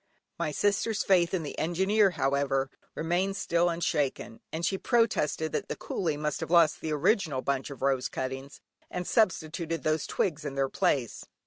My sister's faith in the Engineer, however, remained still unshaken, and she protested that the coolie must have lost the original bundle of rose cuttings, and substituted these twigs in their place.